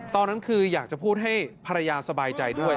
ตอนนั้นคืออยากจะพูดให้ภรรยาสบายใจด้วย